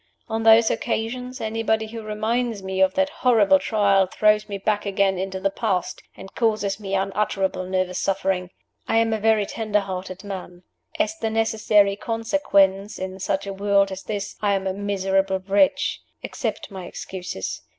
On those occasions, anybody who reminds me of that horrible Trial throws me back again into the past, and causes me unutterable nervous suffering. I am a very tender hearted man. As the necessary consequence (in such a world as this), I am a miserable wretch. Accept my excuses.